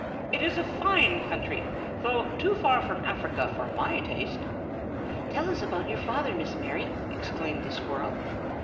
It is a fine country, though too far from Africa for my taste." "Tell us about your father, Miss Mary!" exclaimed the squirrel.